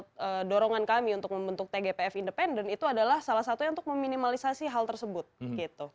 jadi artinya kembali lagi soal dorongan kami untuk membentuk tgpf independen itu adalah salah satunya untuk meminimalisasi hal tersebut gitu